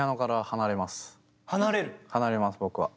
離れます僕は。